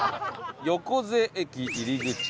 横瀬駅入口。